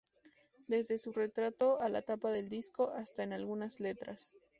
Desde su retrato en la tapa del disco, hasta en algunas letras.